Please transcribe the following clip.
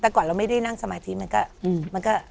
แต่ก่อนเราไม่ได้นั่งสมาธิมันก็